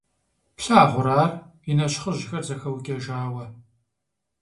Плъагъурэ ар, и нэщхъыжьхэр зэхэукӀэжауэ!